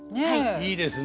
いいですね。